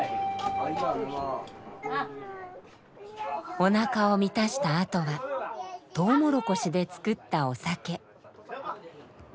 おなかを満たしたあとはとうもろこしで造ったお酒。